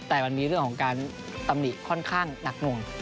แต่มันมีเรื่องของการตำหนิค่อนข้างหนักหน่วง